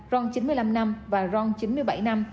ron chín mươi năm năm và rong chín mươi bảy năm